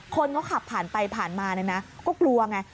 คนเขาก็ขับผ่านไปผ่านมานะก็กลัวไง